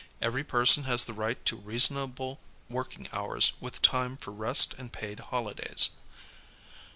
Every person has the right to reasonable working hours with time for rest and paid holidays.